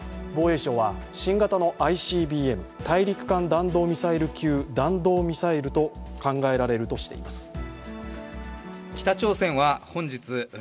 防衛省は新型のＩＣＢＭ＝大陸間弾道ミサイル級弾道ミサイルと考えられるとしています。